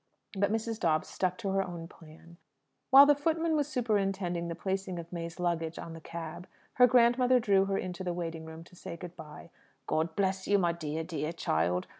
But Mrs. Dobbs stuck to her own plan. While the footman was superintending the placing of May's luggage on the cab, her grandmother drew her into the waiting room to say "good bye." "God bless you, my dear, dear child!